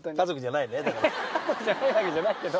家族じゃないわけじゃないけど。